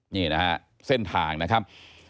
นี่เส้นทางนะครับ